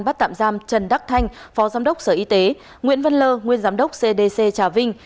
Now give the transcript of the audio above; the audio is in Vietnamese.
bắt tạm giam trần đắc thanh phó giám đốc sở y tế nguyễn văn lơ nguyên giám đốc cdc trà vinh